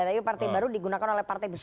tapi partai baru digunakan oleh partai besar